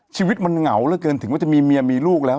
ชีวิตมันเหงาเหลือเกินถึงว่าจะมีเมียมีลูกแล้ว